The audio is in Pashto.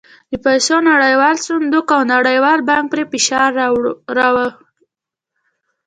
د پیسو نړیوال صندوق او نړیوال بانک پرې فشار راووړ.